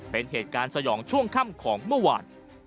เป็นเหตุการณ์สยองช่วงค่ำของเมื่อวาน